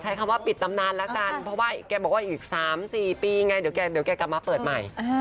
อย่าสู้นะ